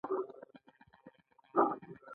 پانګه په مختلفو شکلونو کې څرګندېږي